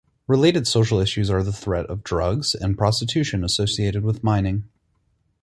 Related social issues are the threat of drugs and prostitution associated with mining.